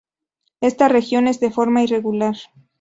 Esta región es de forma irregular.